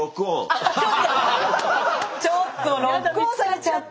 ちょっとロックオンされちゃった。